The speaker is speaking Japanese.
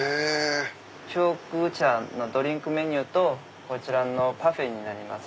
中国茶のドリンクメニューとこちらパフェになります。